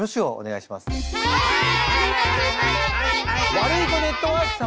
ワルイコネットワーク様。